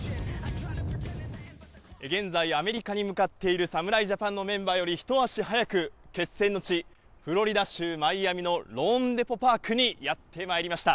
現在、アメリカに向かっている侍ジャパンのメンバーより一足早く、決戦の地、フロリダ州マイアミのローンデポ・パークにやってまいりました。